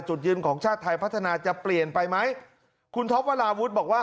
จุดยืนของชาติไทยพัฒนาจะเปลี่ยนไปไหมคุณท็อปวราวุฒิบอกว่า